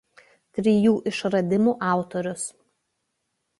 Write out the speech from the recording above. Trijų išradimų autorius.